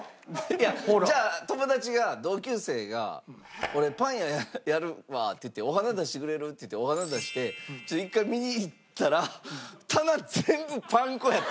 いやじゃあ友達が同級生が俺パン屋やるわっていってお花出してくれる？っていってお花出して一回見に行ったら棚全部パン粉やったらいやお前